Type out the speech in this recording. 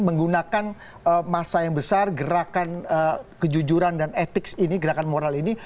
menggunakan masa yang besar gerakan kejujuran dan etik ini gerakan moral ini